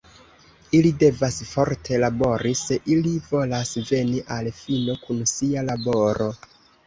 Ili devas forte labori, se ili volas veni al fino kun sia laboro.